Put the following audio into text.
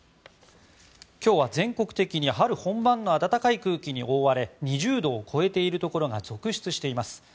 今日は全国的に春本番の暖かい空気に覆われ２０度を超えているところが続出しています。